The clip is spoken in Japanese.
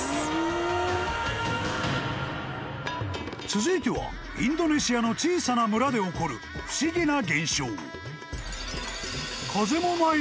［続いてはインドネシアの小さな村で起こる不思議な現象］